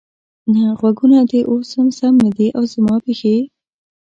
نه، غوږونه دې اوس هم سم دي، او زما پښې؟